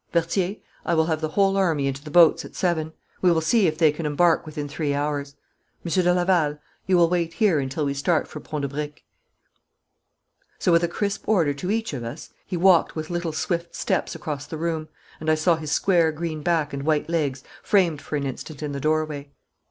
Berthier, I will have the whole army into the boats at seven. We will see if they can embark within three hours. Monsieur de Laval, you will wait here until we start for Pont de Briques.' So with a crisp order to each of us, he walked with little swift steps across the room, and I saw his square green back and white legs framed for an instant in the doorway.